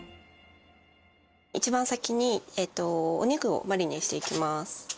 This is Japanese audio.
一番先にお肉をマリネしていきます。